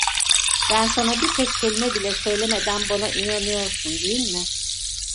Ben sana bir tek kelime bile söylemeden bana inanıyorsun değil mi?